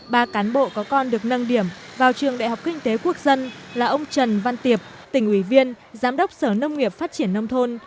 ba cán bộ có con được nâng điểm vào trường đại học kinh tế quốc dân là ông trần văn tiệp tỉnh ủy viên giám đốc sở nông nghiệp phát triển nông thôn